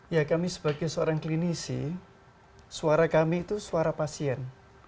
ya kami sebagai seorang klinisi suara kami itu suara pasien